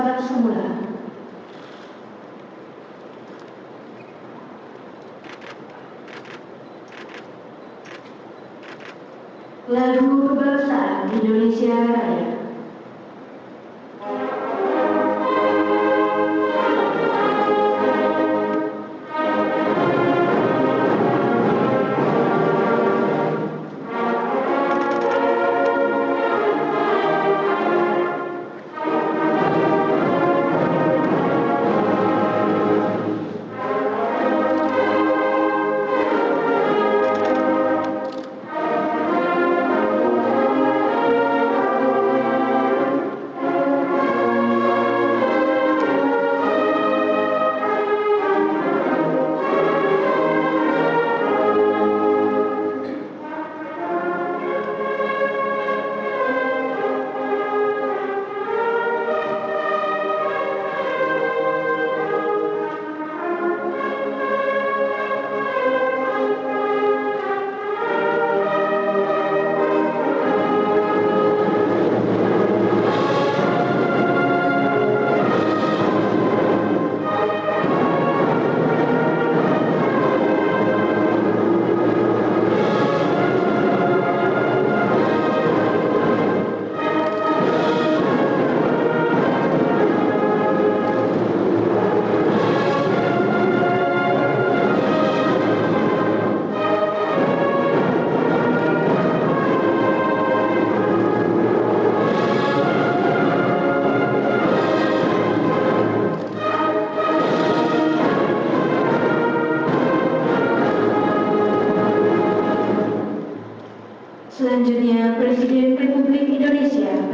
dengan penguasa al umjawab